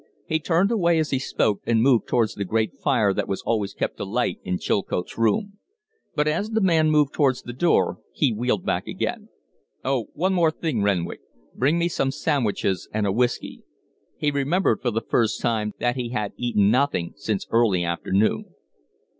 He turned away as he spoke, and moved towards the great fire that was always kept alight in Chilcote's room. But as the man moved towards the door he wheeled back again. "Oh, one thing more, Renwick! Bring me some sandwiches and a whiskey." He remembered for the first time that he had eaten nothing since early afternoon.